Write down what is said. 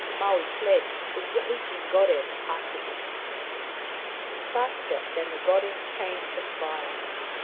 Maui fled, the raging Goddess after him. Faster than the Goddess came the fire.